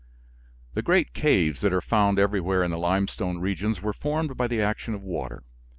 The great caves that are found everywhere in the limestone regions were formed by the action of water.